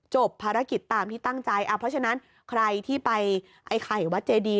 จบภารกิจตามที่ตั้งใจเพราะฉะนั้นใครที่ไปไอ้ไข่วัดเจดี